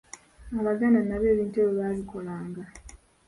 Abaganda nabo ebintu ebyo baabikolanga.